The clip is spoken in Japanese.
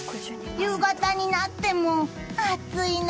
夕方になっても暑いな。